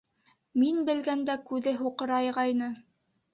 Мин белгәндә күҙе һуҡырайғайны.